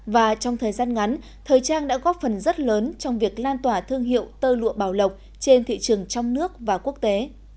và trong thời gian ngắn thời trang đã góp phần rất lớn trong việc lan tỏa thương hiệu tơ lụa bảo lộc trên thị trường trong nước và quốc tế